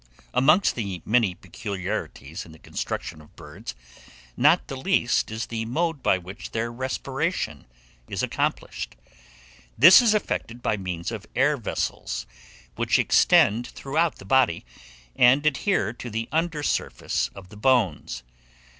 AMONGST THE MANY PECULIARITIES IN THE CONSTRUCTION OF BIRDS, not the least is the mode by which their respiration is accomplished. This is effected by means of air vessels, which extend throughout the body, and adhere to the under surface of the bones.